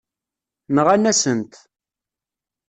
Nɣan-asen-t.